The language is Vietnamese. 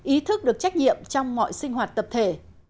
ý thức được trách nhiệm trong mọi sinh hoạt tập thể